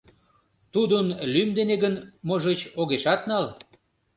Тудын лӱм дене гын, можыч, огешат нал.